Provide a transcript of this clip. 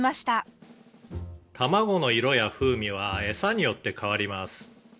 「たまごの色や風味は餌によって変わります」